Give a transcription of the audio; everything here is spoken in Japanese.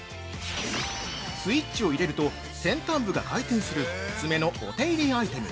◆スイッチを入れると先端部が回転する、爪のお手入れアイテム